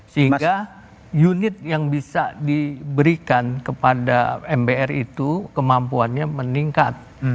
sehingga unit yang bisa diberikan kepada mbr itu kemampuannya meningkat